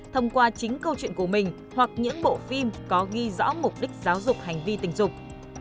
thông qua chính câu chuyện của mình hoặc những bộ phim có ghi rõ mục đích giáo dục hành vi tình dục